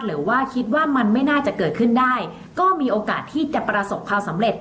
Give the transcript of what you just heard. หรือว่าคิดว่ามันไม่น่าจะเกิดขึ้นได้ก็มีโอกาสที่จะประสบความสำเร็จ